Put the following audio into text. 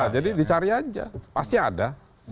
jadi dicari saja pasti ada